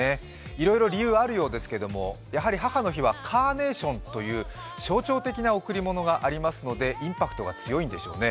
いろいろ理由はあるようですけれども、やはり母の日はカーネーションという象徴的な贈り物がありますのでインパクトが強いんでしょうね。